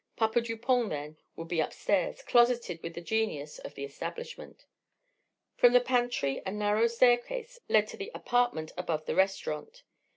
Papa Dupont, then, would be upstairs, closeted with the genius of the establishment. From the pantry a narrow staircase led up to the apartment above the restaurant.